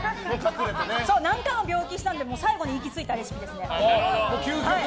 何回も病気したんで最後に行き着いたレシピですね。